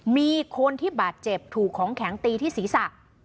มีคนที่บาดเจ็บถูกของแข็งตีที่ศีรษะ